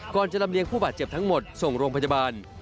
จะลำเลียงผู้บาดเจ็บทั้งหมดส่งโรงพยาบาล